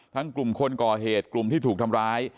กลุ่มคนก่อเหตุกลุ่มที่ถูกทำร้าย